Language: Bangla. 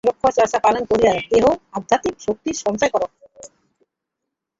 ব্রহ্মচর্য পালন করিয়া দেহে আধ্যাত্মিক শক্তি সঞ্চয় কর।